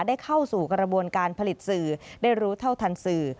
ได้เข้าสู่กระบวนการผลิตสื่อได้รู้เท่าทันสื่อ